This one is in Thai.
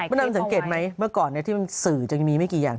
ดำสังเกตไหมเมื่อก่อนที่มันสื่อจะมีไม่กี่อย่าง